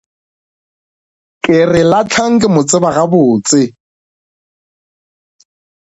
Ke re Lahlang ke mo tseba gabotse.